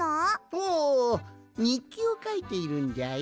おおにっきをかいているんじゃよ。